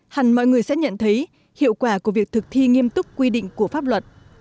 hẳn mọi người sẽ nhận thấy hiệu quả của việc thực thi nghiêm túc quy định của pháp luật